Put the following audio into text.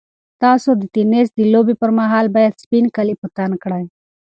تاسو د تېنس د لوبې پر مهال باید سپین کالي په تن کړئ.